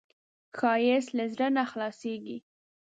ښایست له زړه نه خلاصېږي